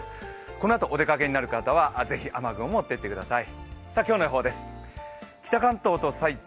このあと、お出かけになる方はぜひ雨具を持っていってください。